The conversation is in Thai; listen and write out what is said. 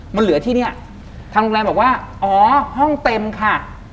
มันเหลือที่เนี่ยทางโรงแรมบอกว่าอ๋อห้องเต็มค่ะ